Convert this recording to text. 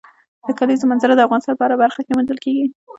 د کلیزو منظره د افغانستان په هره برخه کې موندل کېږي.